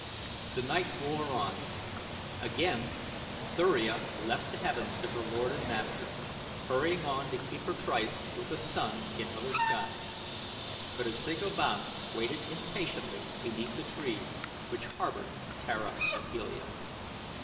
The night wore on. Again Thuria left the heavens to her lord and master, hurrying on to keep her tryst with the Sun in other skies. But a single banth waited impatiently beneath the tree which harbored Tara of Helium.